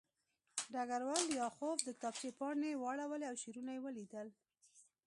ډګروال لیاخوف د کتابچې پاڼې واړولې او شعرونه یې ولیدل